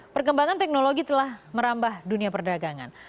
perkembangan teknologi telah merambah dunia perdagangan